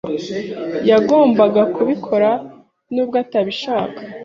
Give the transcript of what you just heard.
Yagombaga kubikora nubwo atabishaka.